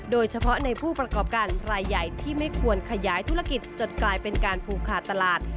โดยเฉพาะในผู้ประกอบการรายใหญ่ที่ไม่ควรขยายธุรกิจจนกลายเป็นการผูกขาดตลาด